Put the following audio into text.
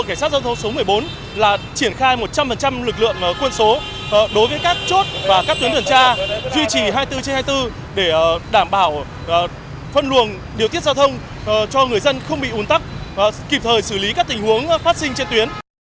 đội cảnh sát giao thông số một mươi bốn là triển khai một trăm linh lực lượng quân số đối với các chốt và các tuyến đường tra duy trì hai mươi bốn trên hai mươi bốn để đảm bảo phân luồng điều tiết giao thông cho người dân không bị ủn tắc và kịp thời xử lý các tình huống phát sinh trên tuyến